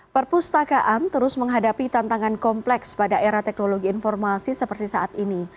perpustakaan terus menghadapi tantangan kompleks pada era teknologi informasi seperti saat ini